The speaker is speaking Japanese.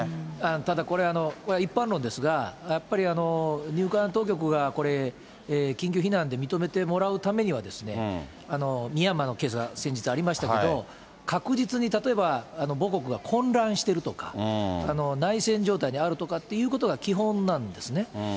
ただこれ、一般論ですが、やっぱり入管当局がこれ、緊急避難で認めてもらうためにはですね、ミャンマーの選手の件が先日ありましたけど、確実に、例えば母国が混乱してるとか、内戦状態にあるということが基本なんですね。